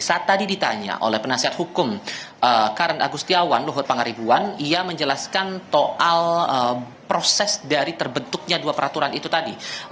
saat tadi ditanya oleh penasihat hukum karen agustiawan luhut pangaribuan ia menjelaskan soal proses dari terbentuknya dua peraturan itu tadi